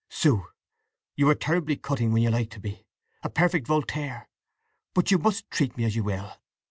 "Sue, you are terribly cutting when you like to be—a perfect Voltaire! But you must treat me as you will!"